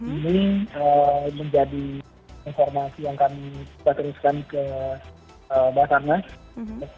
ini menjadi informasi yang kami keteriskan ke bahkanas